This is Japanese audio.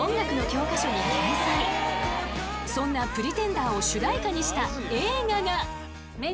［そんな『Ｐｒｅｔｅｎｄｅｒ』を主題歌にした映画が］